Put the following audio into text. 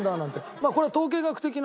まあこれは。